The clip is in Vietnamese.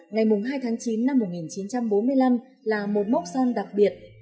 chín năm một nghìn chín trăm bốn mươi năm là một mốc son đặc biệt